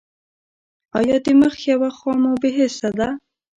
ایا د مخ یوه خوا مو بې حسه ده؟